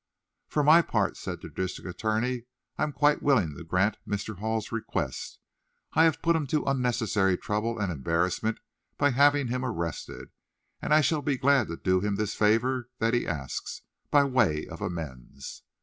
"For my part," said the district attorney, "I am quite willing to grant Mr. Hall's request. I have put him to unnecessary trouble and embarrassment by having him arrested, and I shall be glad to do him this favor that he asks, by way of amends."